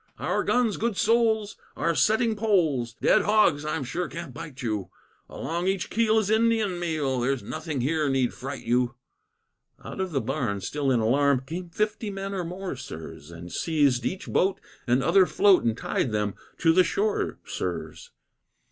"Our guns, good souls, are setting poles, Dead hogs I'm sure can't bite you; Along each keel is Indian meal; There's nothing here need fright you." Out of the barn, still in alarm, Came fifty men or more, sirs, And seized each boat and other float And tied them to the shore, sirs.